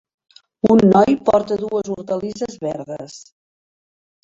Un noi porta dues hortalisses verdes.